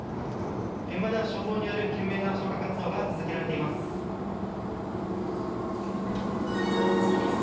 現場では消防による懸命な消火活動が続けられています。